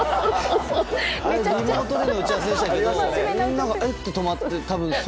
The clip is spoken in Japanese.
リモートでの打ち合わせでしたがみんな止まって。